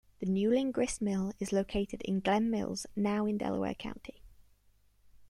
The Newlin Grist Mill is located in Glen Mills, now in Delaware County.